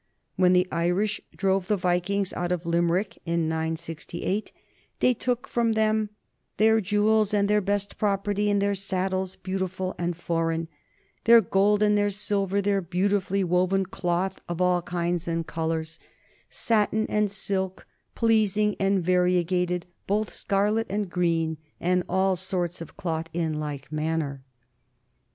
When the Irish drove the Vikings out of Limerick in 968 they took from them "their jewels and their best property, and their saddles beautiful and foreign, their gold and their silver, their beautifully woven cloth of all kinds and colors satin 38 NORMANS IN EUROPEAN HISTORY and silk, pleasing and variegated, both scarlet and green, and all sorts of cloth in like manner."